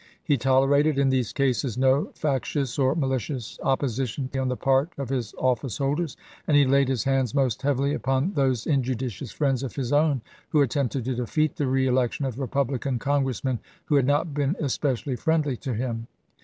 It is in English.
He toler ated in these cases no factious or malicious oppo sition on the part of his office holders, and he laid his hands most heavily upon those injudicious friends of his own who attempted to defeat the reelection of Republican congressmen who had not been especially friendly to him.